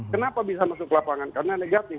kenapa bisa masuk ke lapangan karena negatif